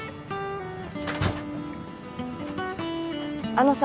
あのさ。